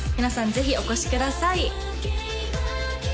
ぜひお越しください